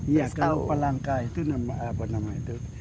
ya kalau palangka itu nama apa nama itu